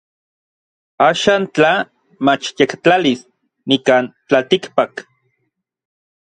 Axan tla machyektlalis nikan tlaltikpak.